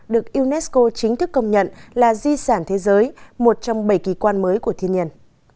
được unesco chính thức công nhận là di sản thế giới một trong bảy kỳ quan mới của thiên nhiên